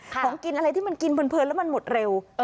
ของกินอะไรที่มันกินเพลินแล้วมันหมดเร็ว